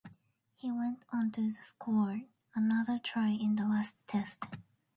He went on to score another try in the last Test.